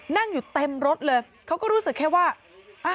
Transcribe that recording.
นั่งอยู่เต็มรถเลยเขาก็รู้สึกแค่ว่า